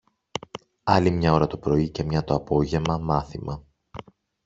Άλλη μια ώρα το πρωί και μια το απόγεμα, μάθημα.